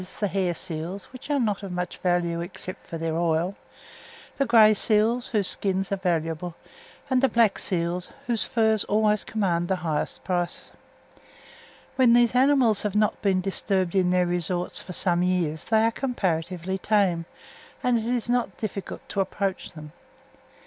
the hair seals, which are not of much value except for their oil; the grey seals, whose skins are valuable; and the black seals, whose furs always command the highest price. When these animals have not been disturbed in their resorts for some years they are comparatively tame, and it is not difficult to approach them.